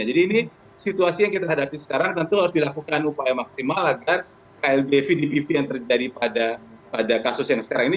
jadi ini situasi yang kita hadapi sekarang tentu harus dilakukan upaya maksimal agar klbv vdpv yang terjadi pada kasus yang sekarang ini